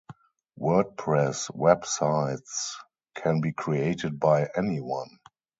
Wordpress websites can be created by anyone.